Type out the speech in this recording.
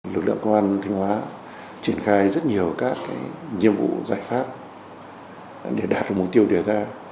lực lượng công an thanh hóa triển khai rất nhiều các nhiệm vụ giải pháp để đạt được mục tiêu đề ra